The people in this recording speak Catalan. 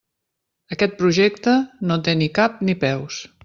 Aquest projecte no té ni cap ni peus.